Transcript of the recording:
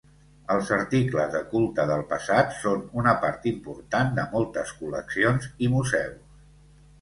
Els articles de culte del passat són una part important de moltes col·leccions i museus.